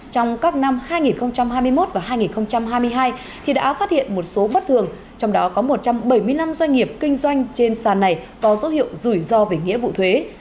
trong các năm hai nghìn hai mươi một và hai nghìn hai mươi hai đã phát hiện một số bất thường trong đó có một trăm bảy mươi năm doanh nghiệp kinh doanh trên sàn này có dấu hiệu rủi ro về nghĩa vụ thuế